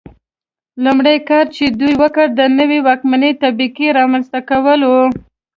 لومړنی کار چې دوی وکړ د نوې واکمنې طبقې رامنځته کول و.